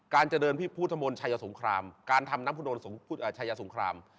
การเจริญพิพุทธมนต์ชัยสงครามการทำนัมพุทธมนต์ชัยสงคราม